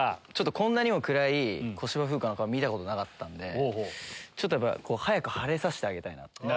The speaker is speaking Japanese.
こんなにも暗い小芝風花の顔見たことなかったんで早く晴れさせてあげたいなって。